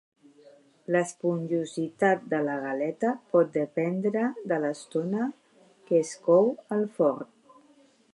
L'esponjositat de la galeta pot dependre de l'estona que es cou al forn.